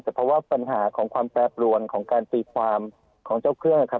แต่เพราะว่าปัญหาของความแปรปรวนของการตีความของเจ้าเครื่องนะครับ